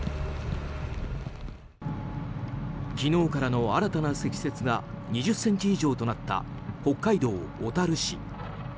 昨日からの新たな積雪が２０ｃｍ以上となった北海道小樽市。